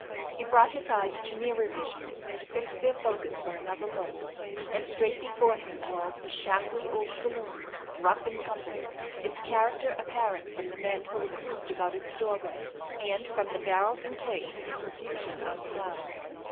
He brought his eyes to nearer vision to fix their focus for another look, and straight before him whirled a shackly old saloon, rough and tumble, its character apparent from the men who were grouped about its doorway and from the barrels and kegs in profusion outside.